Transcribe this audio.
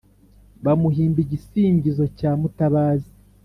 bamuhimba igisingizo cya “Mutabazi”.